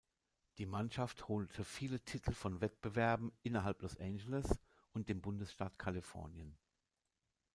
Die Mannschaft holte viele Titel von Wettbewerben innerhalb Los Angeles’ und dem Bundesstaat Kalifornien.